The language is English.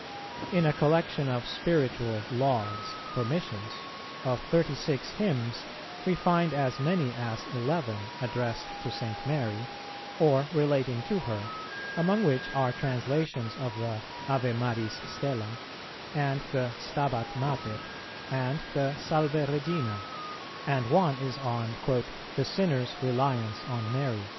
In a collection of "Spiritual Lauds" for Missions, of thirty six Hymns, we find as many as eleven addressed to St. Mary, or relating to her, among which are translations of the Ave Maris Stella, and the Stabat Mater, and the Salve Regina; and one is on "the sinner's reliance on Mary."